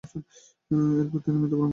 তারপর তিনি মৃত্যুবরণ করলেন।